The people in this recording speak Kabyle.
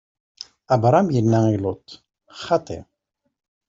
Abṛam inna i Luṭ: Xaṭi!